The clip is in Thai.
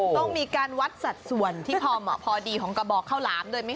ต้องมีการวัดสัดส่วนที่พอดีของกระบอกข้าวหลามด้วยมั้ยคะ